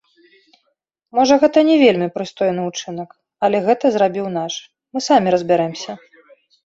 Можа, гэта не вельмі прыстойны ўчынак, але гэта зрабіў наш, мы самі разбярэмся.